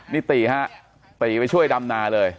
นี่ตีฮะตีไปช่วยดำนาเลย